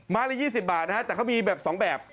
ไม้ละ๒๐บาทนะครับแต่เขามีแบบ๒แบบ